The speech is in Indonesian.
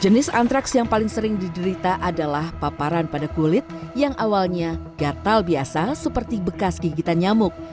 jenis antraks yang paling sering diderita adalah paparan pada kulit yang awalnya gatal biasa seperti bekas gigitan nyamuk